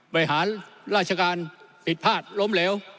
บริหารราชการผิดพลาดล้มเหลว